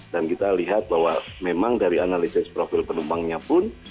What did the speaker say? dan kita lihat bahwa memang dari analisis profil penumpangnya pun